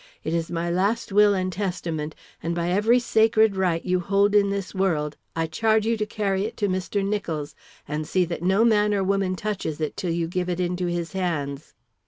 It is my last will and testament, and by every sacred right you hold in this world, I charge you to carry it to Mr. Nicholls, and see that no man nor woman touches it till you give it into his hands."